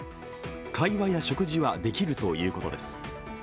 会話や食事はできるということです。